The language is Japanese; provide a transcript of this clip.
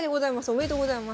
ありがとうございます。